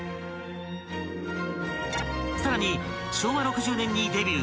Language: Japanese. ［さらに昭和６０年にデビュー］